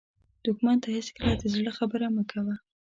دښمن ته هېڅکله د زړه خبره مه کوه